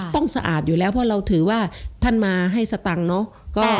สะอาดอยู่แล้วเพราะเราถือว่าท่านมาให้สตังค์เนาะ